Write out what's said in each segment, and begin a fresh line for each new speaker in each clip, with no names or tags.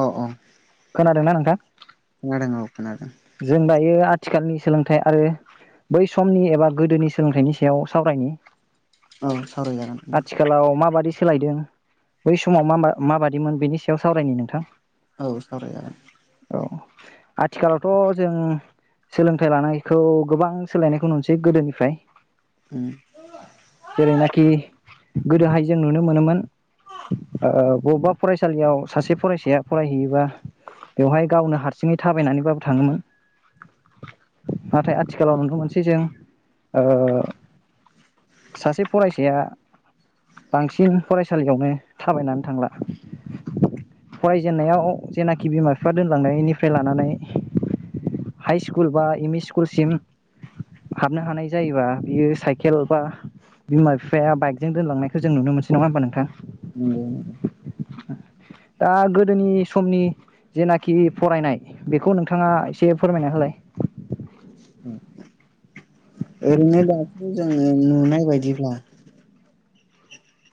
अ अ
खोनादों ना नोंथां
खोनादों औ खोनादों
जों दायो आथिखालनि सोलोंथाइ आरो बै समनि एबा गोदोनि सोलोंथाइनि सायाव सावरायनायनि
औ सावरायजागोन
आथिखालाव माबायदि सोलायदों बै समाव मा माबादिमोन बेनि सायाव सावरायनि नोंथां
औ सावरायजागोन
औ आथिखालावथ जों सोलोंथाइ लानायखौ गोबां सोलायनायखौ नुनोसै गोदोनिफ्राय जेरै नाखि गोदोहाय जों नुनो मोनोमोन ओ बबेबा फरायसालियाव सासे फरायसाया फरायहैयोबा बेवहाय गावनो हारसिङै थाबायनानैबाबो थाङोमोन नाथाय आथिखालाव नुनो मोनसै जों ओ सासे फरायसाया बांसिन फरायसालियावनो थाबायनानै थांला फरायजेननायाव जेनाखि बिमा बिफा दोनलांनायनिफ्राय लानानै हाइ स्कुल बा एम इ स्कुलसिम हाबनो हानाय जायोबा बियो साइकेल बा बिमा बिफाया बाइकजों दोनलांनायखौ जों नुनो मोनसै नङा ह होनबा नोंथां
नंगौ नोंथां
दा गोदोनि समनि जेनाखि फरायनाय बेखौ नोंथाङा एसे फोरमायना होलाय
ओरैनो दाथ जोङो नुनाय बायदिब्ला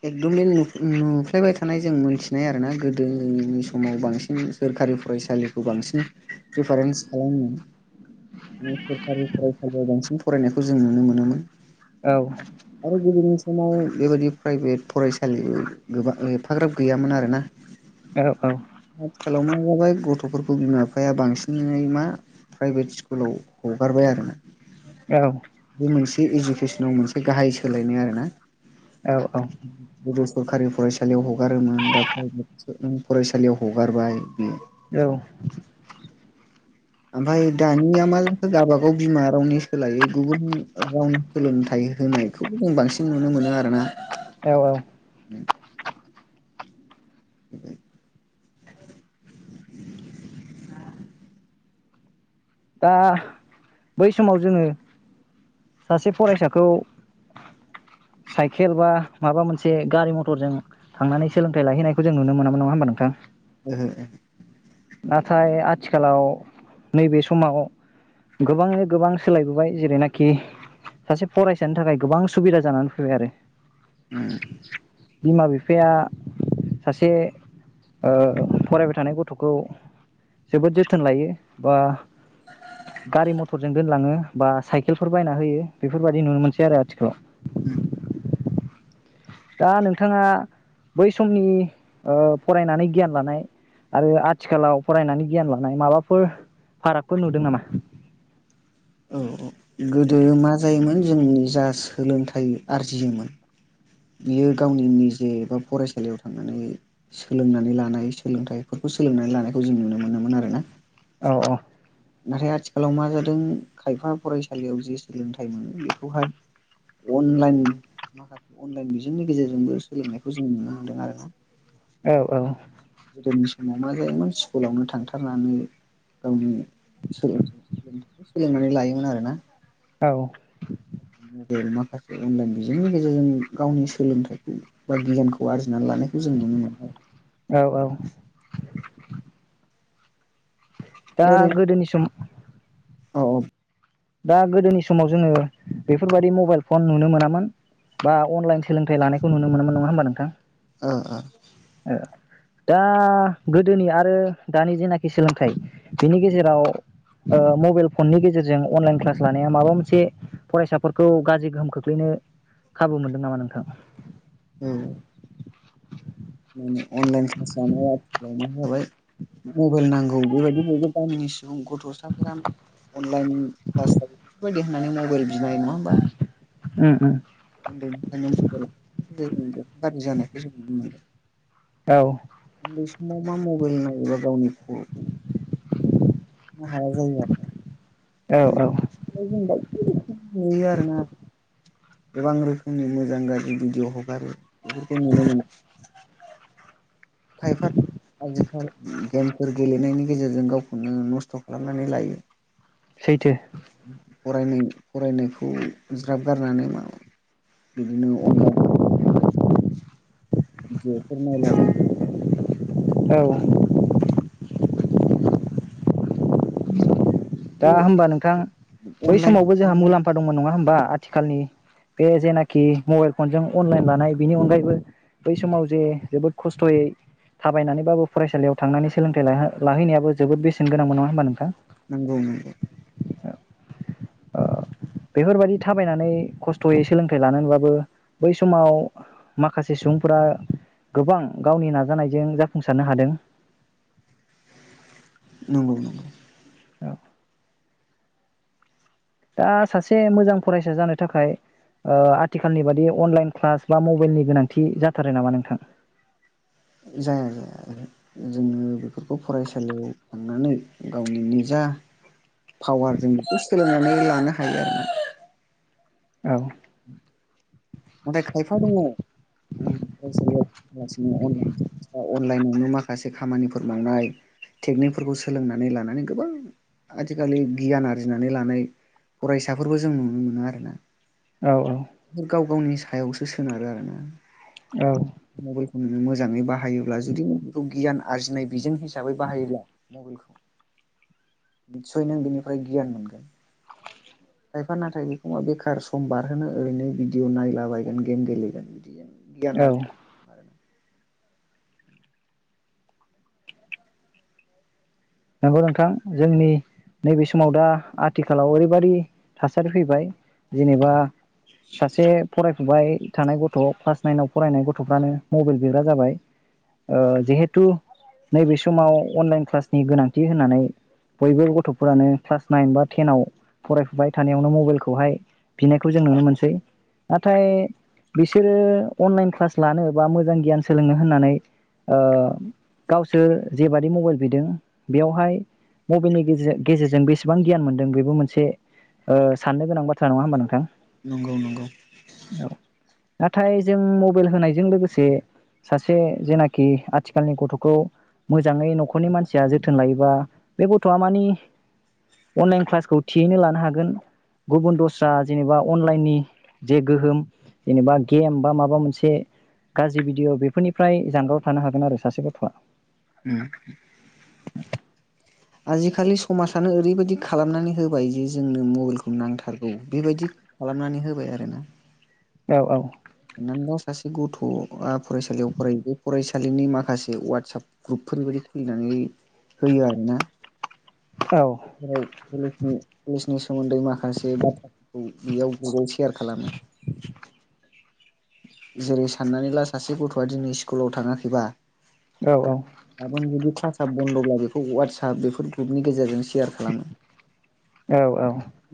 एकदम नुफ्लायबाय थानाय जों मोनथिनाय आरोना गोदोनि समाव बांसिन सोरखारि फरायसालिखौ बांसिन पदिफारेन्स खालामोन सोरखारि फरायसालियाव बांसिन फरायनायखौ जों नुनो मोनोमोन
औ
आरो गोदोनि समाव बेबायदि प्राइभेट फरायसालि गोबां एफाग्राब गैयामोन आरोना
औ औ
आथिखालाव मा जाबाय ग गथ'फोरखौ बिमा बिफाया बांसिनै मा प्राइभेट स्कुलाव हगारबाय आरो ना
औ
बे इडुकेसनाव मोनसे गाहाय सोलायनाय आरो ना [unintelligible] सरखारि फरायसालियाव हगारोमोन दा प्राइभेट फरायसालियाव हगारबाय ओं
औ
ओमफ्राय दानिया मा जोंखौ गावबागाव बिमा रावनि सोलायै गुबुन रावनि सोलोंथाइ होनायखौबो जों बांसिन नुनो मोनो आरो ना
औ औ
[inaudible] [inaudible]
दा बै समाव जोङो सासे फरायसाखौ साइकेल बा माबा मोनसे गारि मथरजों थांनानै सोलोंथाइ लाहैनायखौ जों नुनो मोनामोन नङा होनबा नोंथां
ओं ओं
नाथाय आथिखालाव नैबे समाव गोबाङैनो गोबां सोलायबोबाय जेरैनाखि सासे फरायसानि थाखाय गोबां सुबिदा जानानै फैबाय आरो
उम
बिमा बिफाया सासे ओ फरायबाय थानाय गथ'खौ खौ जोबोद जोथोन लायो बा गारि मथरजों दोनलाङो बा साइकेलफोर बायना होयो बेफोरबायदि नुनो मोनसै आरो आथिखालाव
उम
दा नोंथाङा बै समनि ओ फरायनानै गियान लानाय आरो आ आथिखालाव फरायनानै गियान लानाय माबाफोर फारागफोर नुदों नामा?
औ गोदो मा जायोमोन जोंनि जा सोलोंथाइ आरजियोमोन बियो गावनि निजे एबा फरायसालियाव थांनानै सोलोंनानै लानाय सोलोंथाइफोरखौ सोलोंनानै लानायखौ जों नुनो मोनोमोन आरो ना
औ औ
नाथाय आथिखालाव मा जादों खायफा फरायसालियाव जे सोलोंथाइ मोनो बेखौहाय अनलाइन माखासे अनलाइन बिजोंनि गेजेरजोंबो सोलोंनायखौ जों नुनो हादों आरोना
औ औ
गोदोनि समाव मा जायोमोन स्कुलावनो थांथारनानै गावनि सोलोंथाइ सोलोंनानै लायोमोन आरोना
औ
मबेल माखासे अनलाइन बिजोंनि गेजेरजों गावनि सोलोंथाइखौ बा गियानखौ आरजिनानै लानाय खौ जों मोनो मोबाय
औ औ दा
आरो ओरैनो
गोदोनि सम
औ औ
दा गोदोनि समाव जोङो बेफोर बायदि मबाइल फन नुनो मोनामोन बा अनलाइन सोलोंथाइ लानायखौ नुनो मोनामोन नङा होनोमबा नोंथां
ओ ओ
ओ दा गोदोनि आरो दानि जेनाखि सोलोंथाइ बिनि गेजेराव ओ मबाइल फननि गेजेरजों अनलाइन क्लास लानाया माबा मोनसे फरायसाफोरखौ गाज्रि गोहोम खोख्लैनो खाबु मोनदों नामा नोंथां?
उम उम अनलाइन क्लास जानाय आथिखालाव मा जाबाय मबाइल नांगौ बेबायदि बय गामिनि सुबुं गथ'साफोरानो अनलाइन क्लास बेफोरबायदि होननानै मबाइल बिनाय नङा होमबा
उम उम
उन्दैनिफ्राय गाज्रि जानायखौ जों नुनो मोनबाय
औ
बै समाव मा मबाइल नायोबा गावनि हाया जायो
औ
आरोना
औ
[unintelligible] गोबां रोखोमनि मोजां गाज्रि भिडिअ' हगारो बेफोरखौ नुनो मोनो खायफा आजिखालि गेमफोर गेलेनायनि गेजेरजों गावखौनो नस्थ' खालामनानै लायो
सैथो
फरानाय फरायनायखौ ज्राब गारनानै मा बिदिनो अनलाइन जेफोर नायलाबा
औ
[inaudible]
दा होमबा नोंथां बै
अनलाइन
समावबो जोंहा मुलाम्फा फा दंमोन नङा होमबा आथिखालनि बे जेनाखि मबाइल फनजों अनलाइन लानाय बिनि अनगायैबो बै समाव जे जोबोद खस्थ'यै थाबायनानैबाबो फरायसालियाव थांनानै सोलोंथाइ लाहैनायाबो जोबोद बेसेन गोनां नङा होमबा नोंथां
नंगौ नंगौ
ओ बेफोर बायदि थाबायनानै खस्थ'यै सोलोंथाइ लानानैबाबो बै समाव माखासे सुबुंफोरा गोबां गावनि नाजानायजों जाफुंसारनो हादों
नोंगौ नोंगौ
औ दा सासे मोजां फरायसा जानो थाखाय ओ आथिखालनि बादि अनलाइन क्लास बा मबाइलनि गोनांथि जाथारो नामा नोंथां?
जाया जाया आरो जोङो बेफोरखौ फरायसालियाव थांनानै गावनि निजा पावार जों बेखौ सोलोंनानै लानो हायो आरो ना
औ
नाथाय खायफा दङ फरायसालियाव सिनोनलाइ अनलाइनावनो माखासे खामानिफोर मावनाय टेकनिकफोरखौ सोलोंनानै लानानै गोबां आथिखालि गियान आर्जिनानै लानाय फरायसाफोरबो जों नुनो मोनो आरोना
औ औ
गाव गावनि सायावसो सोनारो आरोना
औ
मबेलखौ मोजांङै बाहायोब्ला जुदि बेखौ गियान आरजिनाय बेजों हिसाब हिसाबै बाहायोब्ला मबाइलखौ निसय नों बेनिफ्राय गियान मोनगोन। खायफा नाथाय बेखौ बेखार सम बारहोनो ओरैनो भिदिअ' नायलाबायायगोन गेम गेलेगोन बिदिनो
औ
गियानारि
नंगौ नोंथां जोंनि नैबे समाव दा आथिखालाव ओरैबायदि थासारि फैबाय जेनेबा सासे फराय फुबाय थानाय गथ' क्लास नाइनाव फरायनाय गथ'फ्रानो मबाइल बिरग्रा जाबाय ओ जिहेथु नैबे समाव अनलाइन क्लास नि गोनांथि होननानै बयबो गथ'फोरानो क्लास नाइन बा टेनाव फरायफुबाय थानायावनो मबाइलखौहाय बिनायखौ जों नुनो मोनसै। नाथाय बिसोरो अनलाइन क्लास लानो बा मोजां गियान सोलोंनो होननानै ओ गावसोर जेबादि मबाइल बिदों बेयावहाय मबाइलनि गेजेर गेजेरजों बेसेबां गियान मोनदों बेबो मोनसे ओ साननो गोनां बाथ्रा नंङा होमबा नोंथां?
नंगौ नंगौ।
नाथाय जों मबाइल होनायजों लोगोसे सासे जेनाखि आथिखालनि गथ'खौ मोजांङै न'खरनि मान सिया जोथोन लायोबा बे गथ'आ माने अनलाइन क्लासखौ थियैनो लानो हागोन गुबुन दस्रा जेनेबा अनलाइननि जे गोहोम जेनेबा गेम बा माबा मोनसे गाज्रि भिडिय' बेफोरनिफ्राय जानगाराव थानो हागोन आरो सासे गथ'आ।
उम आजिखालि समाजानो ओरैबादि खालामनानै होबाय जे जोंनो मबाइलखौ नांथारगौ बेबायदि खालामनानै होबाय आरोना।
औ औ
नोंल' सासे गथ'आ फरायसालियाव फरायो बे फरायसालिनि माखासे वाट साप ग्रुपफोरबायदि खुलिनानै होयो आरो ना।
औ
[unintelligible] नि सोमोन्दै माखासे बाथ्राफोरखौ बेयाव ग्रुपआव सेयार खालामो। जेरै- साननानै ला सासे गथ'आ दिनै स्कुलाव थांङाखैबा [unintelligible]
औ
[unintelligible] बन्द'ब्ला बेखौ वाट साप बेफोर ग्रुपनि गेजेरजों सेयार खालामो।
औ औ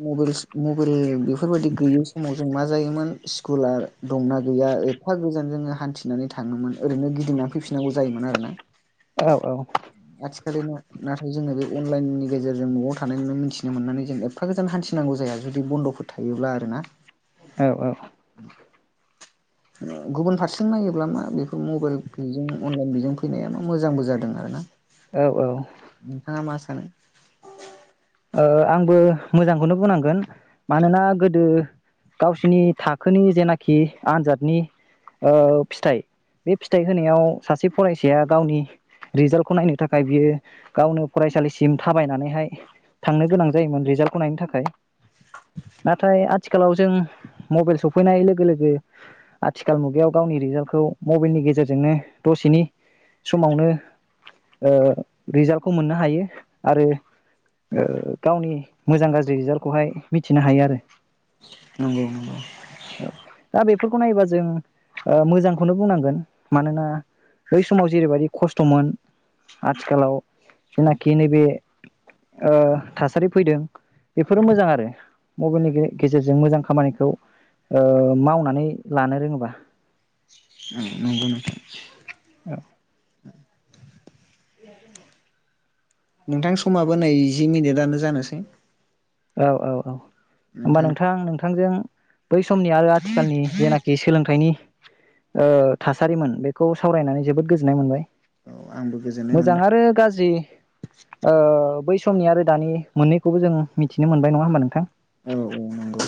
मबाइल मबाइल बेफोरबायदि गैयै समाव जों मा जायोमोन स्कुला दंना गैया एफा गोजान जोंङो हान्थिनानै थांङोमोन ओरैनो गिदिंनानै फैफिननांगौ जायोमोन आरो ना।
औ औ
खालिनि नाथाय जोंङो बे अनलाइननि गेजेरजों न'आव थानायनो मिथिनो मोननानै जों एफा गोजान हान्थिनांगौ जाया जुदि बन्द'फोर थायोब्ला आरो ना।
औ औ
गुबुन फारसे नायोब्ला मा बेखौ मबाइल बेजों अनलाइन बेजों फैनाया मा मोजांबो जादों आरो ना।
औ औ
नोंथांङा मा सा सानो?
ओ आंबो मोजांखौनो बुंनांगोन मानोना गोदो गावसिनि थाखोनि जेनाखि आनजादनि ओ फिथाइ बे फिथाइ होनायाव सासे फरायसाया गावनि रिजाल्टखौ नायनो थाखाय बियो गावनो फरायसालिसिम थाबायनानैहाय थांनो गोनां जायोमोन रिजाल्टखौ नायनो थाखाय। नाथाय आथिखालाव जों मबाइल सफैनाय लोगो लोगो आथिखाल मुगायाव गावनि रिजाल्टखौ मबाइलनि गेजेरजोंनो दसेनि समावनो ओ रिजाल्टखौ मोननो हायो आरो ओ गावनि मोजां गाज्रि रिजाल्टखौहाय मिथिनो हायो आरो।
नंगौ नंगौ।
औ दा बेफोरखौ नायोबा ओ जों मोजांखौनो बुंनांगोन मानोना बै समाव जेरैबायदि खस्थ'मोन आथिखालाव जेनाखि नैबे ओ थासारि फैदों बेफोरो मोजां आरो मबाइलनि गेजेरजों मोजां खामानिखौ ओ मावनानै लानो रोंङोबा
नंगौ नोंथां
औ।
नोंथां समाबो नै जि मिनिटआनो जानोसै।
औ औ औ। होमबा नोंथां नोंथांजों। बै समनि आरो आथिखालनि जेनाखि सोलोंथाइनि ओ थासारिमोन बेखौ सावरायनानै जोबोद गोजोननाय मोनबाय।
औ आंबो गोजोननाय
मोजां
मोनदों
आरो गाज्रि। ओ बै समनि आरो दानि मोननैखौबो जों। मिथिनो मोनबाय नङा होमबा नोंथां?
औ औ नंगौ।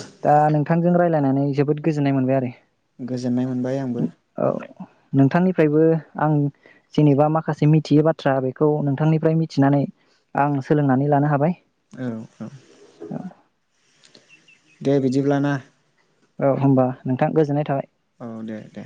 थांजों रायलायनानै जोबोद गोजोननाय मोनबाय आरो।
गोजोननाय मोनबाय आंबो।
औ नोंथांनिफ्रायबो आं जेनेबा माखासे मिथियै बाथ्रा बेखौ नोंथांनिफ्राय मिथिनानै आं सोलोंनानै लानो हाबाय।
औ औ। दे बिदिब्ला ना।
औ होमबा नोंथा गोजोननाय थाबाय।
औ दे दे।